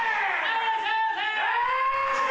いらっしゃいませ！